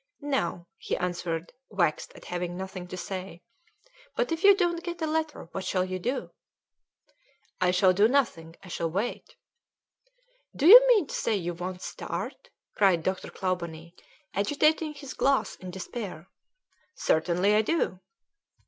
"No," he answered, vexed at having nothing to say; "but if you don't get a letter what shall you do?" "I shall do nothing; I shall wait." "Do you mean to say you won't start?" cried Dr. Clawbonny, agitating his glass in despair. "Certainly I do."